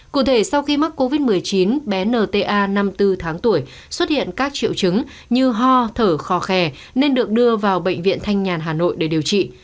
cụ thể sau khi mắc covid một mươi chín bé nta năm mươi bốn tháng tuổi xuất hiện các triệu chứng như ho thở khò khè nên được đưa vào bệnh viện thanh nhàn hà nội để điều trị